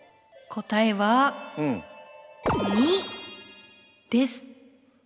答えはです。